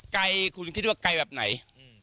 ไกลคุณคิดว่าไกลแบบไหน